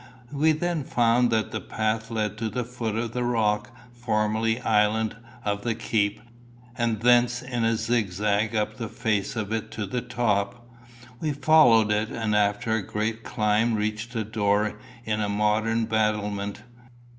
We then found that the path led to the foot of the rock, formerly island, of the keep, and thence in a zigzag up the face of it to the top. We followed it, and after a great climb reached a door in a modern battlement.